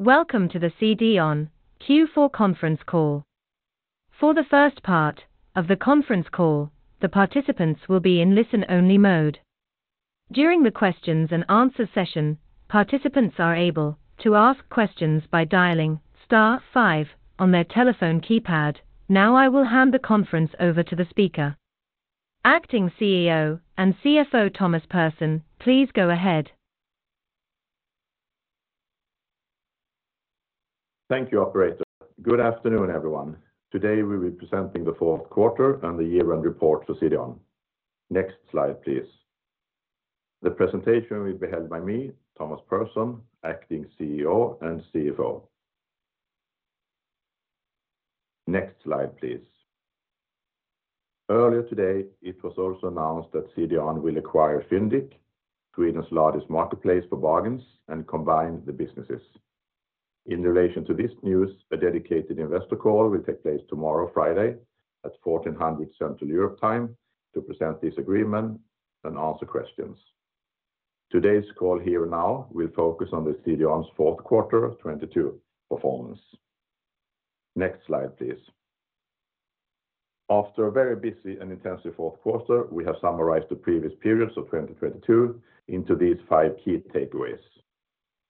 Welcome to the CDON Q4 conference call. For the first part of the conference call, the participants will be in listen-only mode. During the questions and answer session, participants are able to ask questions by dialing star five on their telephone keypad. Now I will hand the conference over to the speaker. Acting CEO and CFO Thomas Pehrsson, please go ahead. Thank you, operator. Good afternoon, everyone. Today we'll be presenting the fourth quarter and the year-end report for CDON. Next slide, please. The presentation will be held by me, Thomas Pehrsson, acting CEO and CFO. Next slide, please. Earlier today, it was also announced that CDON will acquire Fyndiq, Sweden's largest marketplace for bargains, and combine the businesses. In relation to this news, a dedicated investor call will take place tomorrow, Friday, at 14:00 Central Europe time to present this agreement and answer questions. Today's call here now will focus on the CDON's fourth quarter 2022 performance. Next slide, please. After a very busy and intensive fourth quarter, we have summarized the previous periods of 2022 into these five key takeaways.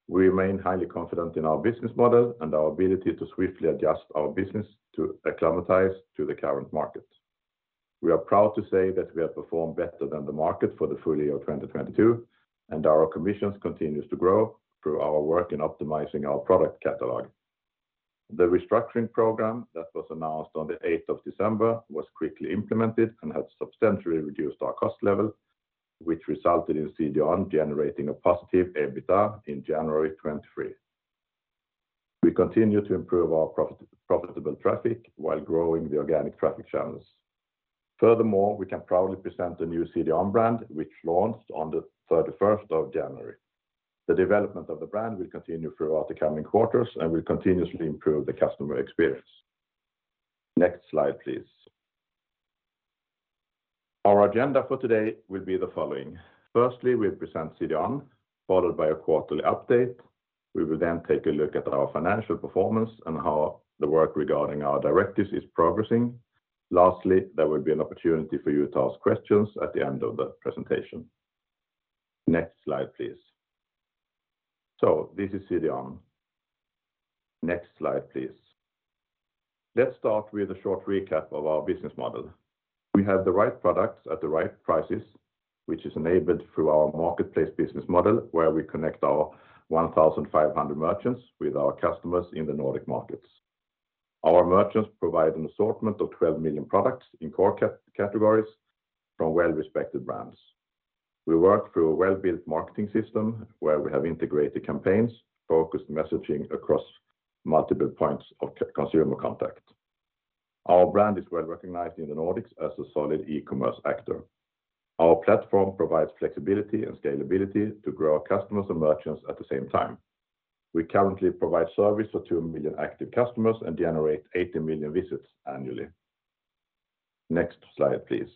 We remain highly confident in our business model and our ability to swiftly adjust our business to acclimatize to the current market. We are proud to say that we have performed better than the market for the full year of 2022. Our commissions continues to grow through our work in optimizing our product catalog. The restructuring program that was announced on the 8th of December was quickly implemented and has substantially reduced our cost level, which resulted in CDON generating a positive EBITDA in January 2023. We continue to improve our profit-profitable traffic while growing the organic traffic channels. Furthermore, we can proudly present the new CDON brand, which launched on the 31st of January. The development of the brand will continue throughout the coming quarters and will continuously improve the customer experience. Next slide, please. Our agenda for today will be the following. Firstly, we present CDON, followed by a quarterly update. We will take a look at our financial performance and how the work regarding our directives is progressing. Lastly, there will be an opportunity for you to ask questions at the end of the presentation. Next slide, please. This is CDON. Next slide, please. Let's start with a short recap of our business model. We have the right products at the right prices, which is enabled through our marketplace business model, where we connect our 1,500 merchants with our customers in the Nordic markets. Our merchants provide an assortment of 12 million products in core categories from well-respected brands. We work through a well-built marketing system where we have integrated campaigns, focused messaging across multiple points of consumer contact. Our brand is well recognized in the Nordics as a solid e-commerce actor. Our platform provides flexibility and scalability to grow our customers and merchants at the same time. We currently provide service for two million active customers and generate 80 million visits annually. Next slide, please.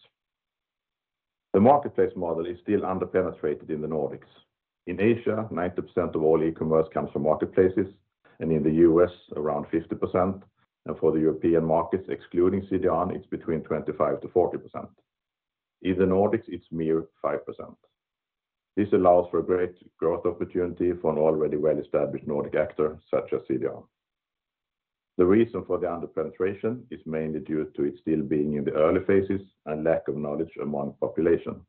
The marketplace model is still underpenetrated in the Nordics. In Asia, 90% of all e-commerce comes from marketplaces, and in the U.S. around 50%. For the European markets, excluding CDON, it's between 25%-40%. In the Nordics, it's mere 5%. This allows for great growth opportunity for an already well-established Nordic actor such as CDON. The reason for the underpenetration is mainly due to it still being in the early phases and lack of knowledge among population.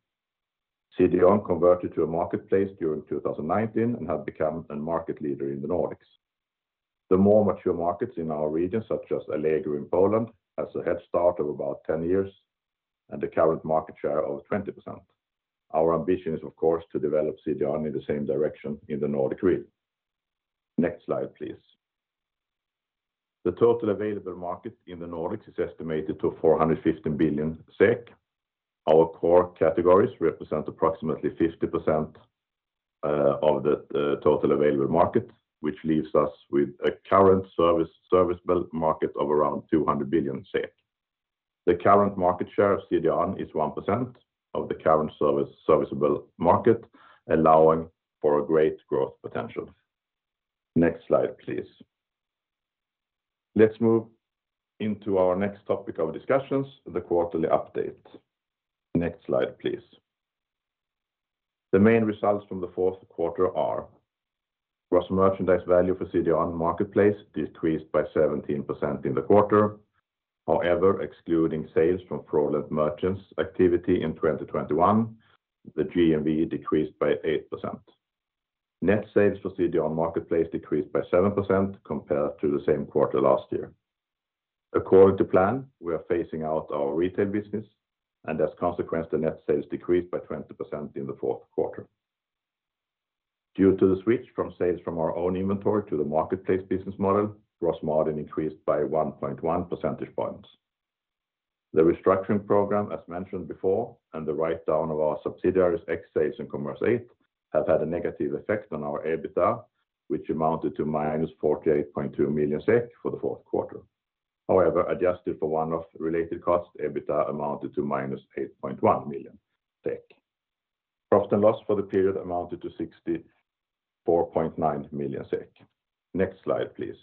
CDON converted to a marketplace during 2019 and have become a market leader in the Nordics. The more mature markets in our region, such as Allegro in Poland, has a head start of about 10 years and a current market share of 20%. Our ambition is, of course, to develop CDON in the same direction in the Nordic region. Next slide, please. The total available market in the Nordics is estimated to 450 billion SEK. Our core categories represent approximately 50% of the total available market, which leaves us with a current service build market of around 200 billion. The current market share of CDON is 1% of the current serviceable market, allowing for a great growth potential. Next slide, please. Let's move into our next topic of discussions, the quarterly update. Next slide, please. The main results from the fourth quarter are: gross merchandise value for CDON Marketplace decreased by 17% in the quarter. Excluding sales from fraudulent merchants activity in 2021, the GMV decreased by 8%. Net sales for CDON Marketplace decreased by 7% compared to the same quarter last year. According to plan, we are phasing out our retail business and as a consequence, the net sales decreased by 20% in the fourth quarter. Due to the switch from sales from our own inventory to the marketplace business model, gross margin increased by 1.1 percentage points. The restructuring program, as mentioned before, and the write-down of our subsidiaries, Xales and Commerce8, have had a negative effect on our EBITDA, which amounted to minus 48.2 million SEK for the fourth quarter. However, adjusted for one-off related costs, EBITDA amounted to minus 8.1 million SEK. Profit and loss for the period amounted to 64.9 million SEK. Next slide, please.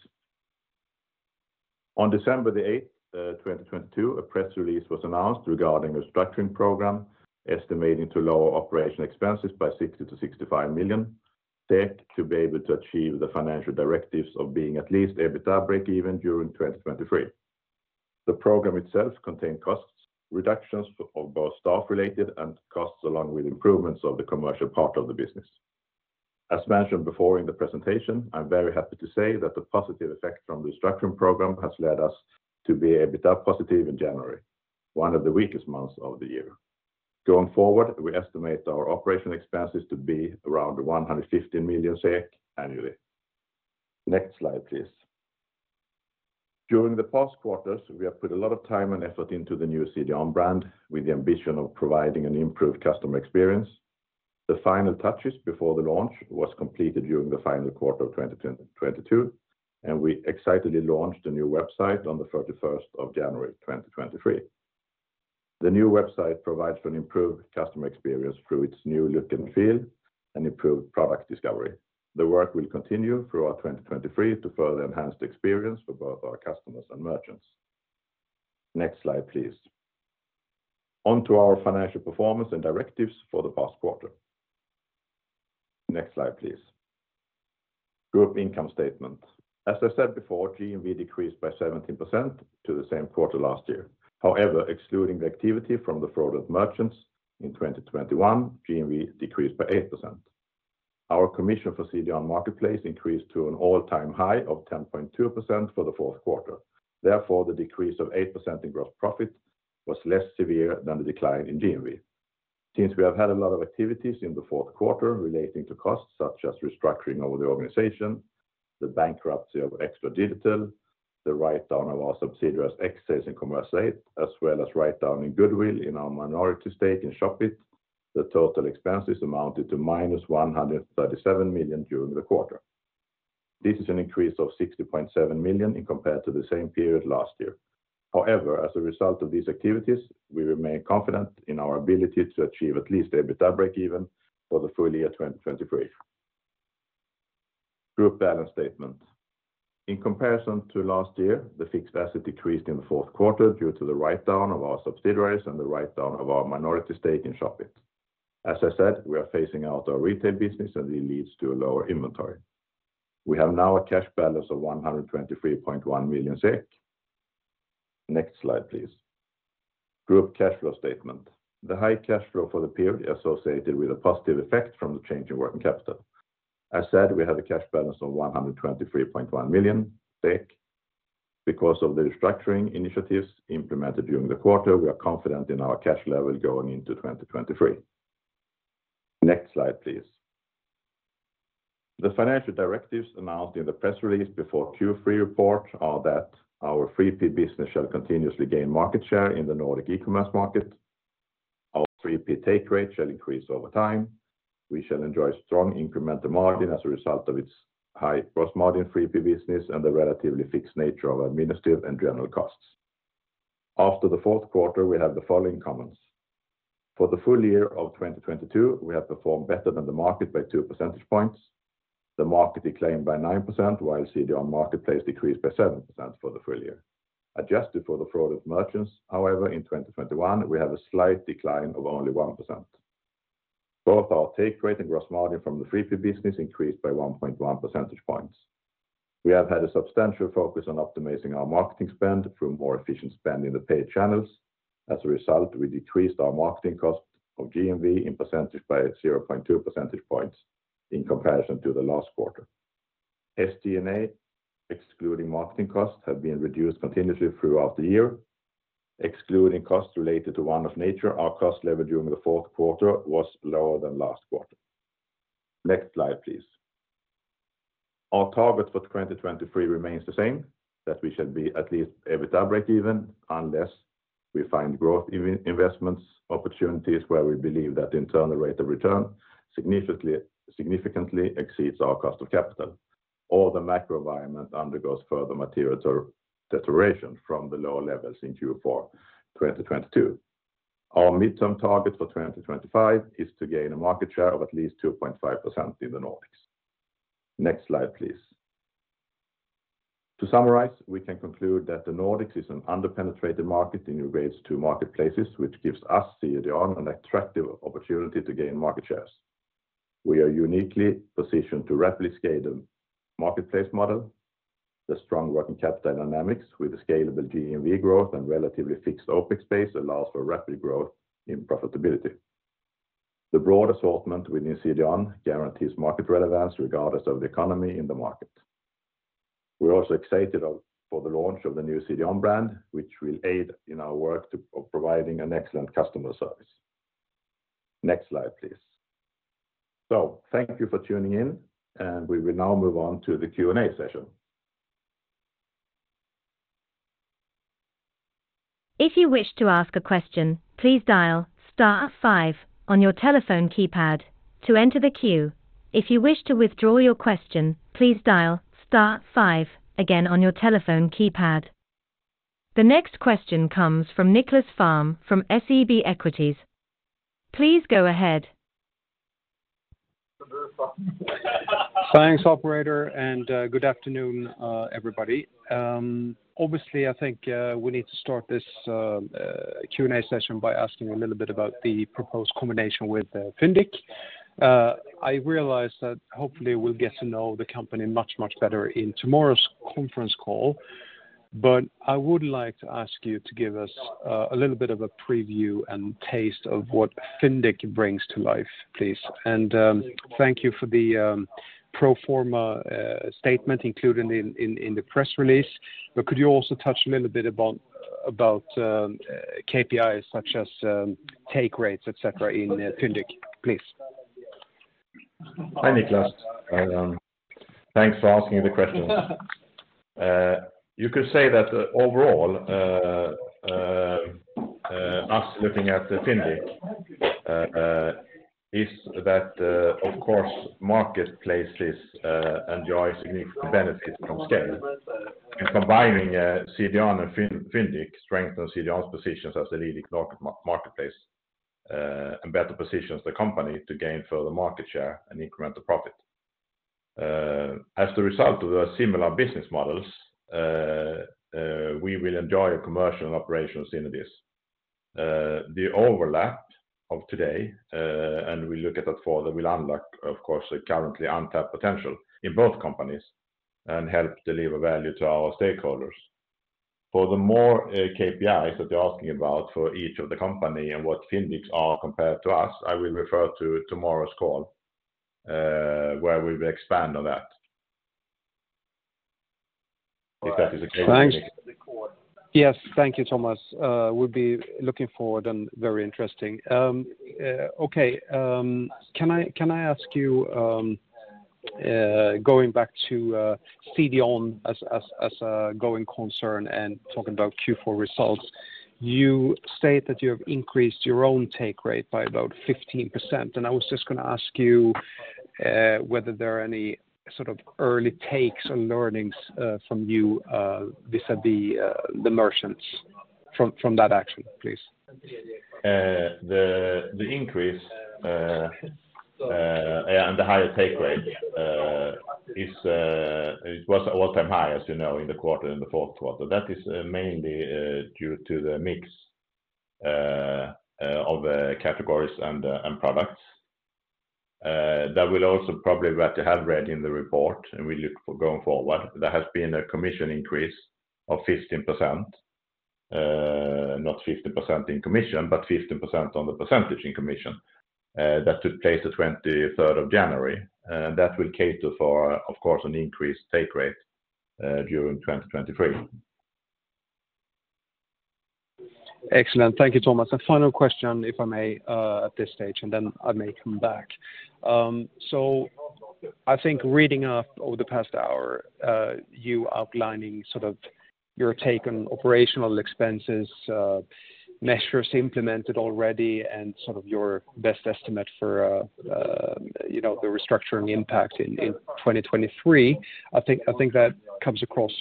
On December the 8th, 2022, a press release was announced regarding a structuring program estimating to lower operational expenses by 60 million- 65 million to be able to achieve the financial directives of being at least EBITDA breakeven during 2023. The program itself contained costs reductions of both staff related and costs along with improvements of the commercial part of the business. As mentioned before in the presentation, I'm very happy to say that the positive effect from the structuring program has led us to be EBITDA positive in January, one of the weakest months of the year. Going forward, we estimate our operational expenses to be around 115 million SEK annually. Next slide, please. During the past quarters, we have put a lot of time and effort into the new CDON brand with the ambition of providing an improved customer experience. The final touches before the launch was completed during the final quarter of 2022, and we excitedly launched a new website on the 31st of January, 2023. The new website provides for an improved customer experience through its new look and feel and improved product discovery. The work will continue throughout 2023 to further enhance the experience for both our customers and merchants. Next slide, please. Onto our financial performance and directives for the past quarter. Next slide, please. Group income statement. As I said before, GMV decreased by 17% to the same quarter last year. However, excluding the activity from the fraud of merchants in 2021, GMV decreased by 8%. Our commission for CDON Marketplace increased to an all-time high of 10.2% for the fourth quarter. The decrease of 8% in gross profit was less severe than the decline in GMV. We have had a lot of activities in the fourth quarter relating to costs such as restructuring of the organization, the bankruptcy of Extra Digital, the write-down of our subsidiaries Xales and Commerce8, as well as write-down in goodwill in our minority stake in Shopit, the total expenses amounted to -137 million during the quarter. This is an increase of 60.7 million in compared to the same period last year. As a result of these activities, we remain confident in our ability to achieve at least EBITDA breakeven for the full year 2023. Group balance statement. In comparison to last year, the fixed asset decreased in the fourth quarter due to the write-down of our subsidiaries and the write-down of our minority stake in Shopit. As I said, we are phasing out our retail business and it leads to a lower inventory. We have now a cash balance of 123.1 million SEK. Next slide, please. Group cash flow statement. The high cash flow for the period associated with a positive effect from the change in working capital. As said, we had a cash balance of 123.1 million. Because of the restructuring initiatives implemented during the quarter, we are confident in our cash level going into 2023. Next slide, please. The financial directives announced in the press release before Q3 report are that our 3P business shall continuously gain market share in the Nordic e-commerce market. Our 3P take rate shall increase over time. We shall enjoy strong incremental margin as a result of its high gross margin 3P business and the relatively fixed nature of administrative and general costs. After the fourth quarter, we have the following comments. For the full year of 2022, we have performed better than the market by 2 percentage points. The market declined by 9%, while CDON Marketplace decreased by 7% for the full year. Adjusted for the fraud of merchants, however, in 2021, we have a slight decline of only 1%. Both our take rate and gross margin from the 3P business increased by 1.1 percentage points. We have had a substantial focus on optimizing our marketing spend through more efficient spend in the paid channels. As a result, we decreased our marketing cost of GMV in percentage by 0.2 percentage points in comparison to the last quarter. SG&A, excluding marketing costs, have been reduced continuously throughout the year. Excluding costs related to one of nature, our cost level during the fourth quarter was lower than last quarter. Next slide, please. Our target for 2023 remains the same, that we should be at least EBITDA breakeven, unless we find growth in investments opportunities where we believe that the internal rate of return significantly exceeds our cost of capital, or the macro environment undergoes further material deterioration from the lower levels in Q4 2022. Our midterm target for 2025 is to gain a market share of at least 2.5% in the Nordics. Next slide, please. To summarize, we can conclude that the Nordics is an under-penetrated market in regards to marketplaces, which gives us, CDON, an attractive opportunity to gain market shares. We are uniquely positioned to rapidly scale the marketplace model. The strong working capital dynamics with the scalable GMV growth and relatively fixed OpEx base allows for rapid growth in profitability. The broad assortment within CDON guarantees market relevance regardless of the economy in the market. We're also excited for the launch of the new CDON brand, which will aid in our work of providing an excellent customer service. Next slide, please. Thank you for tuning in, and we will now move on to the Q&A session. If you wish to ask a question, please dial star five on your telephone keypad to enter the queue. If you wish to withdraw your question, please dial star five again on your telephone keypad. The next question comes from Nicklas Fhärm from SEB Equities. Please go ahead. Thanks, operator, good afternoon, everybody. Obviously, I think, we need to start this Q&A session by asking a little bit about the proposed combination with Fyndiq. I realized that hopefully we'll get to know the company much, much better in tomorrow's conference call, but I would like to ask you to give us a little bit of a preview and taste of what Fyndiq brings to life, please. Thank you for the pro forma statement included in the press release. Could you also touch a little bit about KPIs such as take rates, et cetera, in Fyndiq, please? nks for asking the question. You could say that overall, us looking at Fyndiq is that, of course, marketplace enjoys significant benefit from scale. In combining CDON and Fyndiq strengthen CDON's positions as the leading marketplace and better positions the company to gain further market share and incremental profit. As the result of the similar business models, we will enjoy commercial operations synergies. The overlap of today, and we look at that further, will unlock, of course, the currently untapped potential in both companies and help deliver value to our stakeholders. Furthermore, KPIs that you're asking about for each of the company and what Fyndiq's are compared to us, I will refer to tomorrow's call, where we will expand on that. If that is okay with you, Nicklas. Thanks. Yes. Thank you, Thomas. We'll be looking forward and very interesting. Okay. Can I ask you, going back to CDON as a growing concern and talking about Q4 results? You state that you have increased your own take rate by about 15%. I was just gonna ask you whether there are any sort of early takes or learnings from you vis-à-vis the merchants from that action, please? The increase and the higher take rate is it was all-time high, as you know, in the quarter, in the fourth quarter. That is mainly due to the mix of the categories and products. That will also probably what you have read in the report, and we look for going forward, there has been a commission increase of 15%, not 15% in commission, but 15% on the percentage in commission. That took place the 23rd of January. That will cater for, of course, an increased take rate during 2023. Excellent. Thank you, Thomas. A final question, if I may, at this stage, and then I may come back. So I think reading up over the past hour, you outlining sort of your take on operational expenses, measures implemented already, and sort of your best estimate for, you know, the restructuring impact in 2023, I think that comes across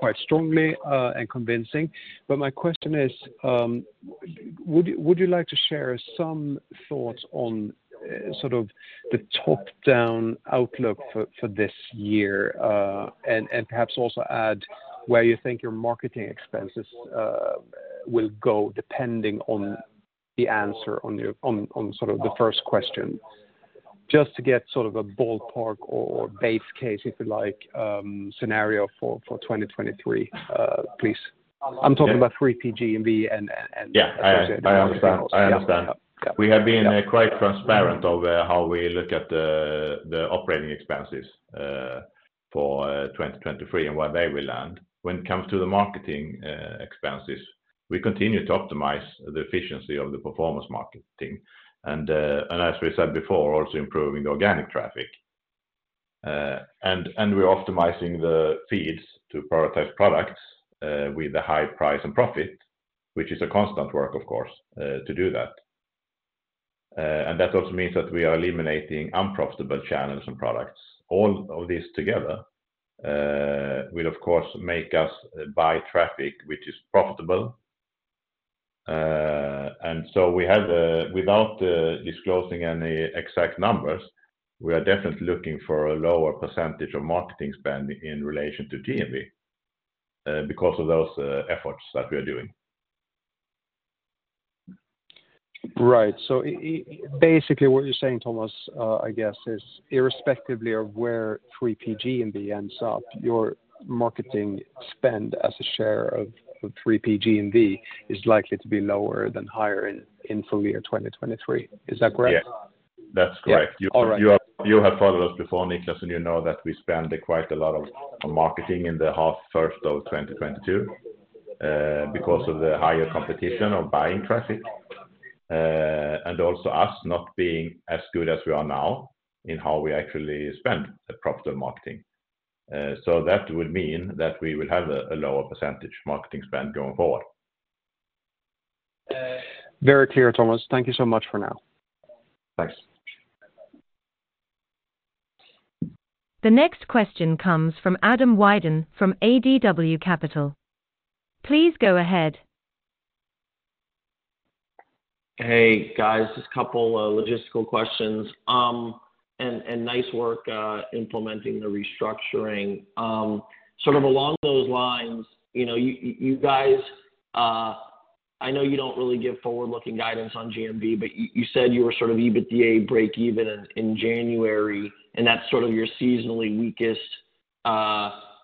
quite strongly and convincing. My question is, would you like to share some thoughts on sort of the top-down outlook for this year? And perhaps also add where you think your marketing expenses will go depending on the answer on sort of the first question. Just to get sort of a ballpark or base case, if you like, scenario for 2023, please. Yeah. I'm talking about 3P and the. Yeah. -associated- I understand. I understand. Yeah. We have been quite transparent over how we look at the operating expenses for 2023 and where they will land. When it comes to the marketing expenses, we continue to optimize the efficiency of the performance marketing. As we said before, also improving organic traffic. We're optimizing the feeds to prioritize products with a high price and profit, which is a constant work, of course, to do that. That also means that we are eliminating unprofitable channels and products. All of these together will of course make us buy traffic which is profitable. We have, without disclosing any exact numbers, we are definitely looking for a lower percentage of marketing spend in relation to GMV because of those efforts that we are doing. Right. Basically what you're saying, Thomas, I guess is irrespectively of where 3P ends up, your marketing spend as a share of 3P is likely to be lower than higher in full year 2023. Is that correct? Yes. That's correct. Yeah. All right. You have followed us before, Nicklas, and you know that we spend quite a lot on marketing in the half first of 2022, because of the higher competition of buying traffic, and also us not being as good as we are now in how we actually spend the profitable marketing. That will mean that we will have a lower % marketing spend going forward. Very clear, Thomas. Thank you so much for now. Thanks. The next question comes from Adam Wyden from ADW Capital. Please go ahead. Hey, guys, just a couple of logistical questions. Nice work implementing the restructuring. Sort of along those lines, you know, you guys, I know you don't really give forward-looking guidance on GMV, but you said you were sort of EBITDA breakeven in January, and that's sort of your seasonally weakest,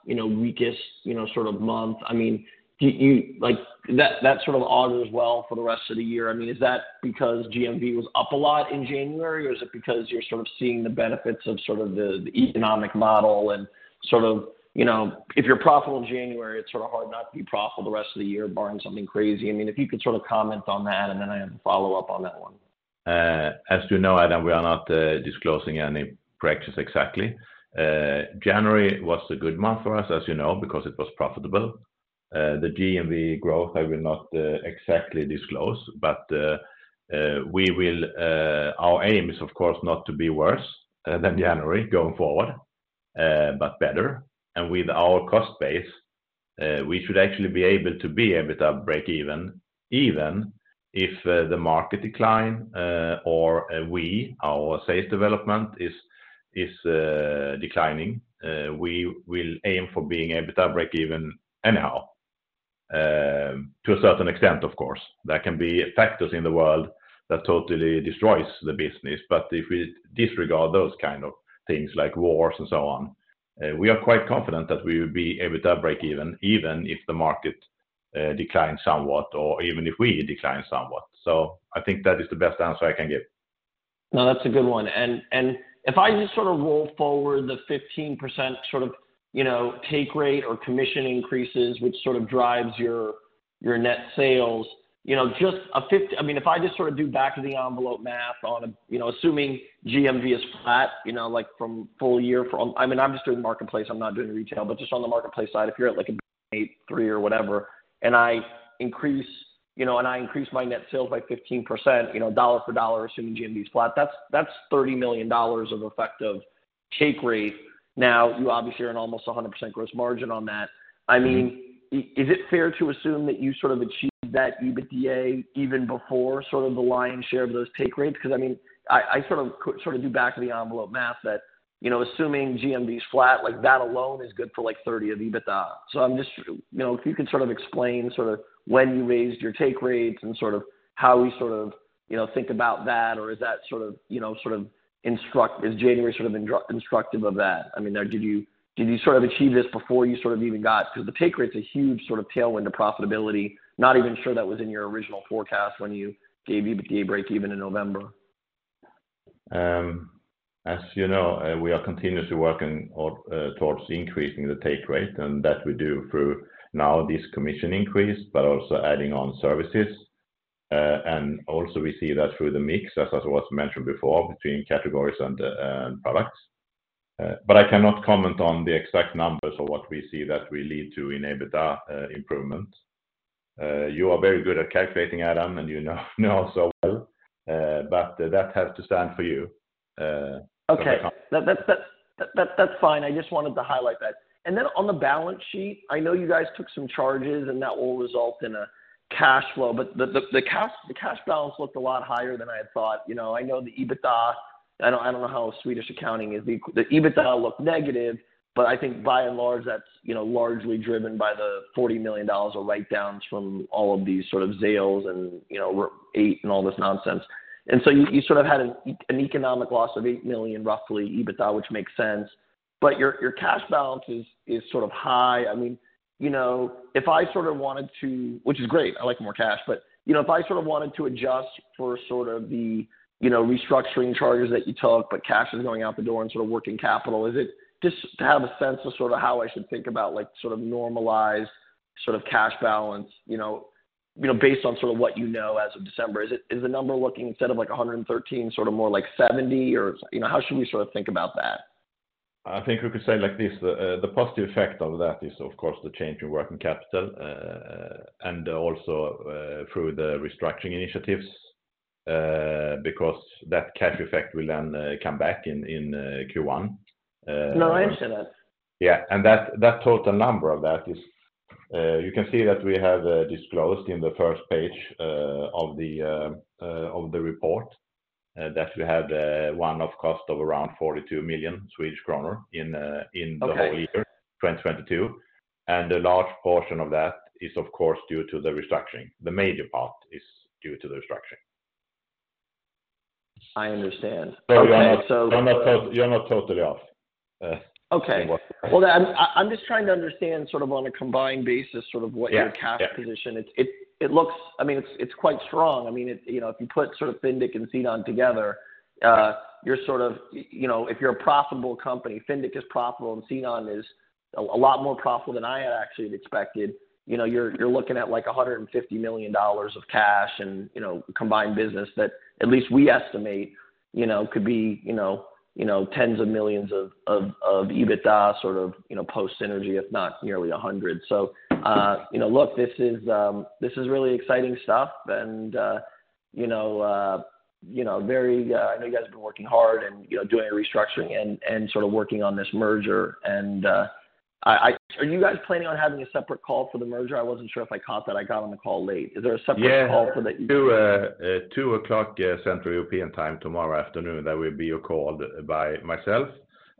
you know, weakest, you know, sort of month. I mean, do you like, that sort of augurs well for the rest of the year? I mean, is that because GMV was up a lot in January, or is it because you're sort of seeing the benefits of sort of the economic model and sort of, you know, if you're profitable in January, it's sort of hard not to be profitable the rest of the year barring something crazy? I mean, if you could sort of comment on that, and then I have a follow-up on that one. As you know, Adam, we are not disclosing any breakevens exactly. January was a good month for us, as you know, because it was profitable. The GMV growth, I will not exactly disclose, but we will. Our aim is, of course, not to be worse than January going forward, but better. With our cost base, we should actually be able to be EBITDA breakeven even if the market decline or our sales development is declining. We will aim for being EBITDA breakeven anyhow, to a certain extent, of course. There can be factors in the world that totally destroys the business. If we disregard those kind of things like wars and so on, we are quite confident that we will be EBITDA breakeven even if the market declines somewhat or even if we decline somewhat. I think that is the best answer I can give. No, that's a good one. If I just sort of roll forward the 15% sort of, you know, take rate or commission increases, which sort of drives your net sales, you know, just I mean, if I just sort of do back of the envelope math on a. You know, assuming GMV is flat, you know, like from full year. I mean, I'm just doing marketplace, I'm not doing retail, but just on the marketplace side, if you're at like an 83 or whatever, and I increase, you know, and I increase my net sales by 15%, you know, dollar for dollar, assuming GMV is flat, that's $30 million of effective take rate. You obviously are an almost 100% gross margin on that. I mean, is it fair to assume that you sort of achieved that EBITDA even before sort of the lion's share of those take rates? I mean, I sort of do back of the envelope math that, you know, assuming GMV is flat, like that alone is good for like 30 of EBITDA. I'm just... You know, if you could sort of explain sort of when you raised your take rates and sort of how we sort of, you know, think about that, or is that sort of, you know, sort of instructive? Is January sort of instructive of that? I mean, did you sort of achieve this before you sort of even got... The take rate's a huge sort of tailwind to profitability. Not even sure that was in your original forecast when you gave EBITDA breakeven in November. As you know, we are continuously working on towards increasing the take rate, and that we do through now this commission increase, but also adding on services. Also we see that through the mix, as was mentioned before, between categories and products. I cannot comment on the exact numbers or what we see that will lead to an EBITDA improvement. You are very good at calculating, Adam, and you know so well, but that has to stand for you. Okay. That's fine. I just wanted to highlight that. On the balance sheet, I know you guys took some charges, and that will result in a cash flow, but the cash balance looked a lot higher than I had thought. You know, I know the EBITDA. I don't know how Swedish accounting is. The EBITDA looked negative, but I think by and large, that's, you know, largely driven by the $40 million of write-downs from all of these sort of Xales and, you know, eight and all this nonsense. You sort of had an economic loss of $8 million, roughly, EBITDA, which makes sense. Your cash balance is sort of high. I mean, you know, if I sort of wanted to. Which is great, I like more cash. You know, if I sort of wanted to adjust for sort of the, you know, restructuring charges that you took, but cash is going out the door and sort of working capital, just to have a sense of sort of how I should think about like sort of normalized sort of cash balance, you know, you know, based on sort of what you know as of December, is the number looking instead of like 113, sort of more like 70 or, you know, how should we sort of think about that? I think we could say it like this. The, the positive effect of that is, of course, the change in working capital, and also, through the restructuring initiatives, because that cash effect will then, come back in, Q1. No, I understand that. Yeah. That total number of that is, you can see that we have disclosed in the first page of the report that we had one-off cost of around 42 million Swedish kronor in the. Okay... whole year, 2022. A large portion of that is, of course, due to the restructuring. The major part is due to the restructuring. I understand. Okay. You're not totally off, in what- Okay. Well, I'm just trying to understand sort of on a combined basis sort of. Yeah, yeah. your cash position is. I mean, it's quite strong. You know, if you put sort of Fyndiq and CDON together, you're sort of you know, if you're a profitable company, Fyndiq is profitable and CDON is a lot more profitable than I had actually expected. You know, you're looking at like $150 million of cash and, you know, combined business that at least we estimate, you know, could be, you know, tens of millions of EBITDA sort of, you know, post synergy, if not nearly $100 million. You know, look, this is really exciting stuff and, you know, very... I know you guys have been working hard and, you know, doing a restructuring and sort of working on this merger. Are you guys planning on having a separate call for the merger? I wasn't sure if I caught that. I got on the call late. Is there a separate call for? Yeah. 2:00 Central European time tomorrow afternoon, there will be a call by myself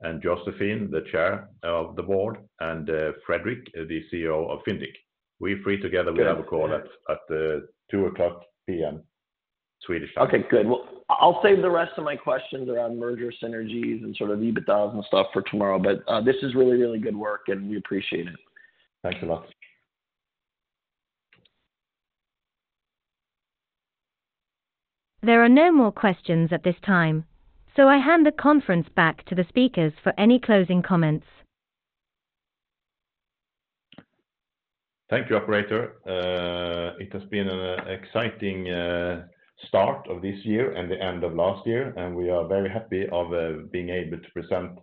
and Josephine, the Chair of the Board, and Fredrik, the CEO of Fyndiq. We three together will have a call at 2:00 P.M. Swedish time. Okay, good. I'll save the rest of my questions around merger synergies and sort of EBITDA and stuff for tomorrow. This is really, really good work, and we appreciate it. Thanks a lot. There are no more questions at this time, so I hand the conference back to the speakers for any closing comments. Thank you, operator. It has been an exciting start of this year and the end of last year, and we are very happy of being able to present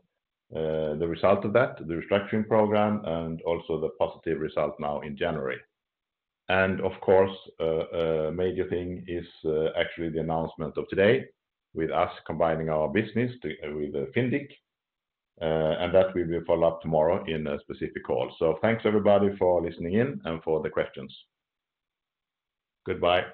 the result of that, the restructuring program and also the positive result now in January. Of course, major thing is actually the announcement of today with us combining our business to, with, Fyndiq. That we will follow up tomorrow in a specific call. Thanks, everybody, for listening in and for the questions. Goodbye.